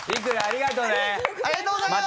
ありがとうございます。